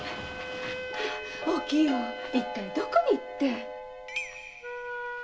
お清一体どこに行って。